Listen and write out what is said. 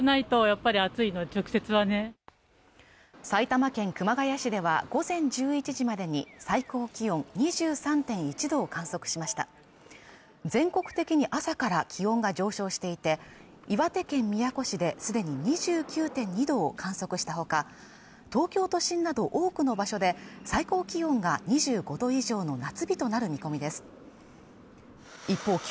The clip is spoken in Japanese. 埼玉県熊谷市では午前１１時までに最高気温２３．１度を観測しました全国的に朝から気温が上昇していて岩手県宮古市で既に２９．２度を観測したほか東京都心など多くの場所で最高気温が２５度以上の夏日となる見込みです一方